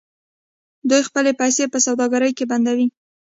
دوی خپلې پیسې په سوداګرۍ کې بندوي.